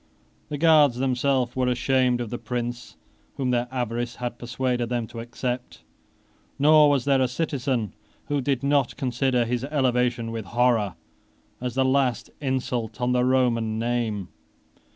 The guards themselves were ashamed of the prince whom their avarice had persuaded them to accept; nor was there a citizen who did not consider his elevation with horror, as the last insult on the Roman name.